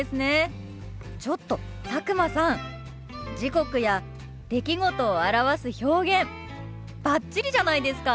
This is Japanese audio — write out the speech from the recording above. ちょっと佐久間さん時刻や出来事を表す表現バッチリじゃないですか！